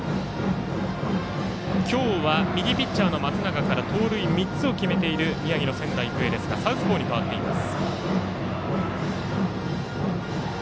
今日は右ピッチャーの松永から盗塁３つを決めている宮城の仙台育英ですがサウスポーに代わっています。